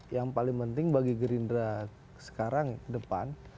yang paling penting bagi gerindra sekarang depan